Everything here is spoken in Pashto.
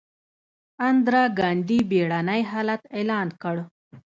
اندرا ګاندي بیړنی حالت اعلان کړ.